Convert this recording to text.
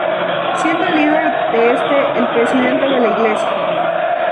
Siendo el líder de este el Presidente de la Iglesia.